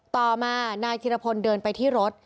ต่อมานายธิรพลเดินไปที่รถ